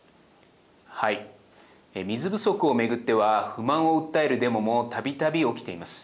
水不足を巡っては不満を訴えるデモもたびたび起きています。